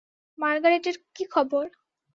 মার্গারেটের কী খবর?